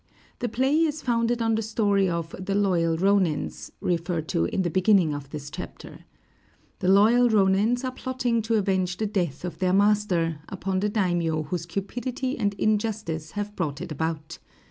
The play is founded on the story of "The Loyal Rōnins," referred to in the beginning of this chapter. The loyal rōnins are plotting to avenge the death of their master upon the daimiō whose cupidity and injustice have brought it about.